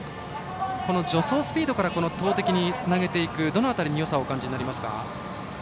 この助走スピードから投てきにつなげていくどの辺りに、よさを感じますか？